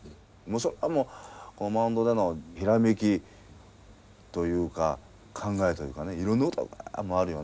それはもうマウンドでのひらめきというか考えというかねいろんなことバ回るよね。